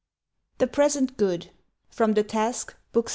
THE PRESENT GOOD. FROM "THE TASK," BOOK VI.